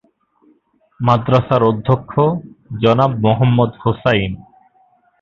মাদ্রাসার অধ্যক্ষ জনাব মোহাম্মদ হোসাইন।